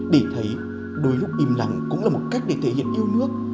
để thấy đôi lúc im lặng cũng là một cách để thể hiện yêu nước